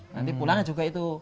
nanti pulangnya juga itu